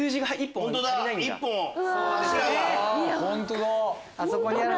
本当だ。